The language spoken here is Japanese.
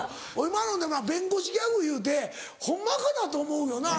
今の弁護士ギャグいうてホンマかなと思うよな。